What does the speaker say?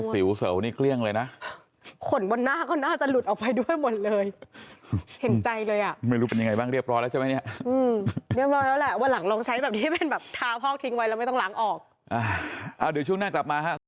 สิวเสวนี่เกลี้ยงเลยนะขนบนหน้าก็น่าจะหลุดออกไปด้วยหมดเลยเห็นใจเลยอ่ะไม่รู้เป็นยังไงบ้างเรียบร้อยแล้วใช่ไหมเนี่ยเรียบร้อยแล้วแหละวันหลังลองใช้แบบนี้เป็นแบบทาพอกทิ้งไว้แล้วไม่ต้องล้างออกอ่าเอาเดี๋ยวช่วงหน้ากลับมาฮะ